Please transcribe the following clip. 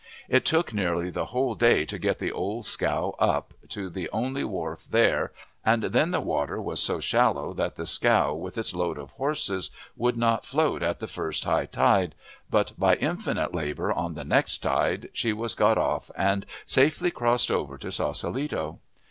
It took nearly the whole day to get the old scow up to the only wharf there, and then the water was so shallow that the scow, with its load of horses, would not float at the first high tide, but by infinite labor on the next tide she was got off and safely crossed over to Saucelito.